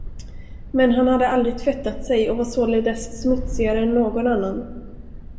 Men han hade aldrig tvättat sig och var således smutsigare än någon annan.